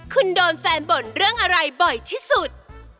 คุณโดนแฟนบ่นเรื่องอะไรบ่อยที่สุด